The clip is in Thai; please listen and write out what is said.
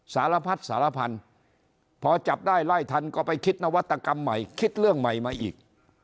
สารพัดสารพันธุ์พอจับได้ไล่ทันก็ไปคิดนวัตกรรมใหม่คิดเรื่องใหม่มาอีก